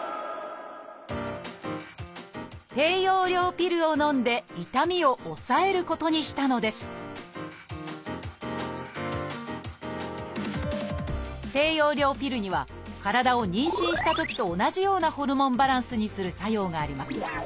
低用量ピルをのんで痛みを抑えることにしたのです低用量ピルには体を妊娠したときと同じようなホルモンバランスにする作用があります。